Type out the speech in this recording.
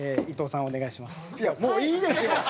伊藤さんお願いします。